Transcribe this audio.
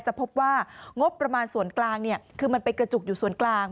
จะพบว่างบประมาณส่วนกลางคือมันไปกระจุกอยู่ส่วนกลาง